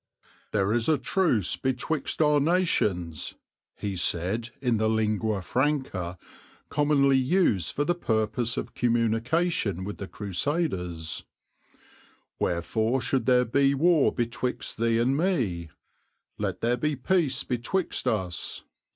"There is truce betwixt our nations," he said, in the lingua franca commonly used for the purpose of communication with the Crusaders; "Wherefore should there be war betwixt thee and me? Let there be peace betwixt us."